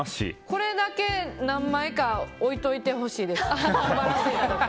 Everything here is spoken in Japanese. これだけ何枚か置いといてほしいです。